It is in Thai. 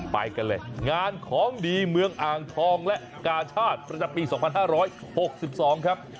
ไปกันเลยงานของดีเมืองอ่างทองและกาชาติประจำปี๒๕๖๒ครับ